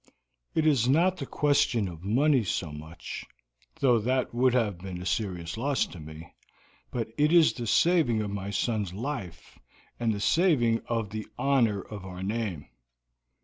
It is not the question of money so much, though that would have been a serious loss to me, but it is the saving of my son's life, and the saving of the honor of our name."